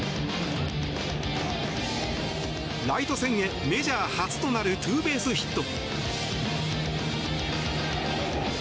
ライト線へメジャー初となるツーベースヒット。